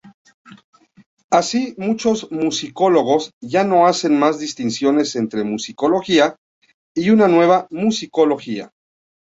Así, muchos musicólogos ya no hacen más distinciones entre musicología y nueva musicología.